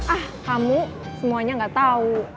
ah kamu semuanya gak tahu